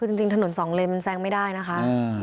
คือจริงถนนสองเลนมันแซงไม่ได้นะคะ